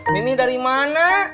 mimi dari mana